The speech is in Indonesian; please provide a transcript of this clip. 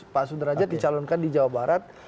pak sudrajat dicalonkan di jawa barat